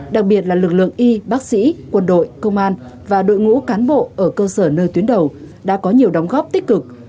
đặc biệt là lực lượng y bác sĩ quân đội công an và đội ngũ cán bộ ở cơ sở nơi tuyến đầu đã có nhiều đóng góp tích cực